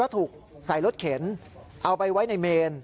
ถูกใส่รถเข็นเอาไปไว้ในเมน